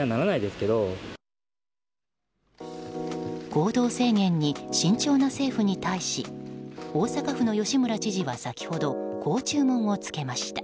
行動制限に慎重な政府に対し大阪府の吉村知事は先ほどこう注文を付けました。